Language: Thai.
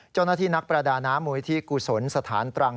เจ้าหน้าที่นักประดาน้ำมวลิธีกุศลสถานตรัง